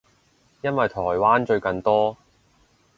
因為台灣最近多